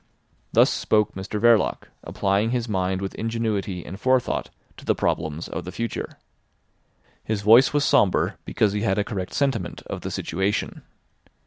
Thus spoke Mr Verloc, applying his mind with ingenuity and forethought to the problems of the future. His voice was sombre, because he had a correct sentiment of the situation.